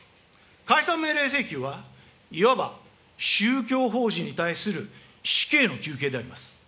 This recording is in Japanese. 解散命令請求は、いわば宗教法人に対する死刑の求刑であります。